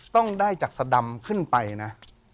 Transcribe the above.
ต้องได้จากสดำขึ้นไปนะ